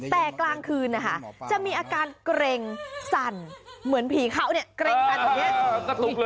แต่กลางคืนนะคะจะมีอาการเกร็งสั่นเหมือนผีเขาเนี่ยเกร็งสั่นแบบนี้